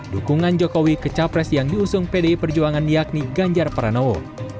dukungan jokowi ke capres yang diusung pdi perjuangan yakni ganjar pranowo